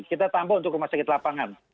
kita tambah untuk rumah sakit lapangan